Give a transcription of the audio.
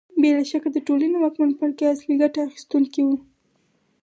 بې له شکه د ټولنې واکمن پاړکي اصلي ګټه اخیستونکي وو